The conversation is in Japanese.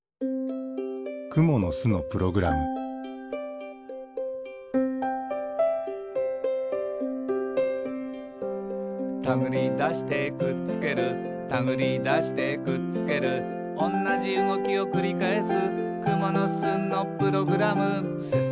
「くものすのプログラム」「たぐりだしてくっつけるたぐりだしてくっつける」「おんなじうごきをくりかえす」